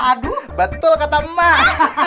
aduh batul kata emak